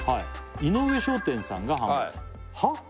井上商店さんが販売はっ！？